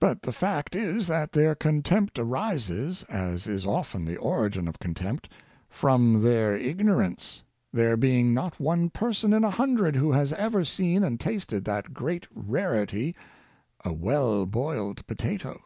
But the fact is that their contempt arises, as is often the origin of contempt, from their ignorance, there being not one person in a hundred who has ever seen and tasted that great rarity, a well boiled potato."